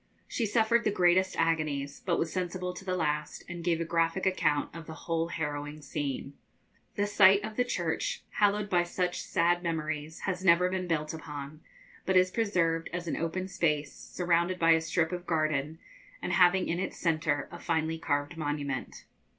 She suffered the greatest agonies, but was sensible to the last, and gave a graphic account of the whole harrowing scene. The site of the church, hallowed by such sad memories, has never been built upon, but is preserved as an open space, surrounded by a strip of garden, and having in its centre a finely carved monument.